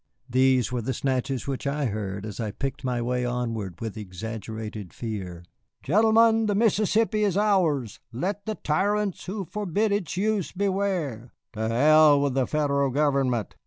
These were the snatches which I heard as I picked my way onward with exaggerated fear: "Gentlemen, the Mississippi is ours, let the tyrants who forbid its use beware!" "To hell with the Federal government!"